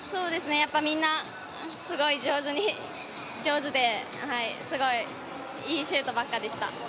みんな、すごい上手で、すごいいいシュートばかりでした。